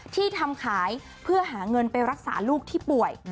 ที่ทำขายเพื่อหาเงินไปรักษาลูกที่ป่วย